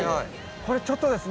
これちょっとですね